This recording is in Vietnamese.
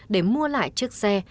để mua lại chiếc xe